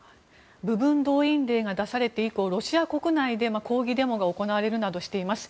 部分動員令が出されて以降ロシア国内で抗議デモが行われるなどしています。